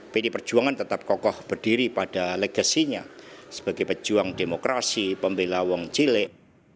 pdi perjuangan tetap kokoh berdiri pada legasinya sebagai pejuang demokrasi pembela wong cilek